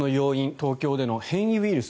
東京での変異ウイルス